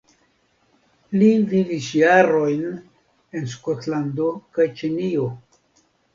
Li vivis jarojn en Skotlando kaj Ĉinio.